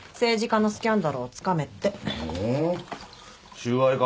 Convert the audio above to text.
収賄か？